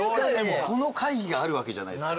この会議があるわけじゃないですか。